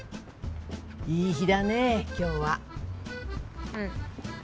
いい日だね今日は。うん。